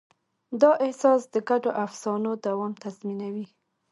دا احساس د ګډو افسانو دوام تضمینوي.